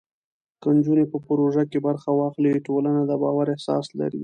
که نجونې په پروژو کې برخه واخلي، ټولنه د باور احساس لري.